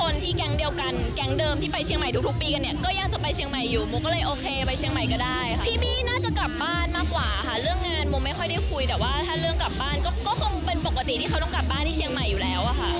คนที่ได้คุยแต่ว่าถ้าเรื่องกลับบ้านก็คงเป็นปกติที่เขาต้องกลับบ้านที่เชียงใหม่อยู่แล้วอะค่ะ